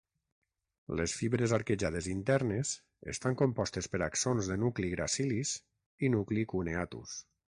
Les fibres arquejades internes estan compostes per axons de nucli Gracilis i nucli Cuneatus.